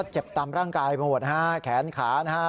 เจ็บตามร่างกายบำรวดนะทำท้าแขนขานะครับ